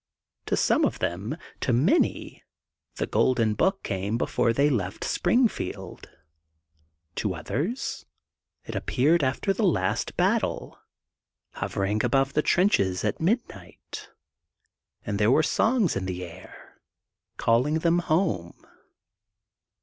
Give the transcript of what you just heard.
To some of them, to many, The Golden Book came before they left Springfield. To others it appeared after the last battle, hovering above the trenches at midnight and there were songs in the air calling them home.